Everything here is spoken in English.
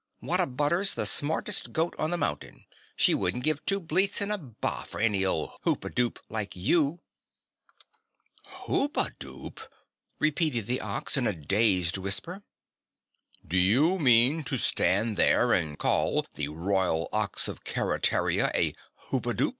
"What a butter's the smartest goat on the mountain; she wouldn't give two bleats and a BAH for an old Hoopadoop like YOU!" "Hoopadoop!" repeated the Ox in a dazed whisper. "Do you mean to stand there and call the Royal Ox of Keretaria a Hoopadoop?"